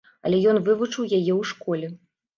Але ён вывучыў яе ў школе.